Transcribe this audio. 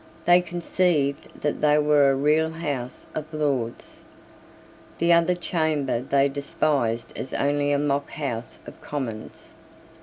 They conceived that they were a real House of Lords. The other Chamber they despised as only a mock House of Commons.